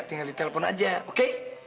tinggal ditelepon aja oke